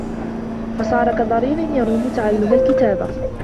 فَصَارَ كَضَرِيرٍ يَرُومُ تَعَلُّمَ الْكِتَابَةِ